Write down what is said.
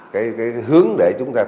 cái hướng để chúng ta